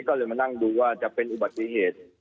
ก็เลยมานั่งดูว่าจะเป็นอุบัติเหตุ